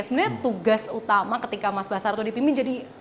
sebenarnya tugas utama ketika mas basarah tuh dipimpin jadi